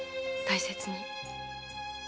大切に。